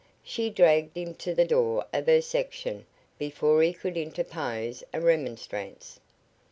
She dragged him to the door of her section before he could interpose a remonstrance.